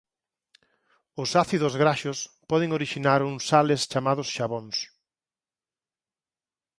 Os ácidos graxos poden orixinar uns sales chamados xabóns.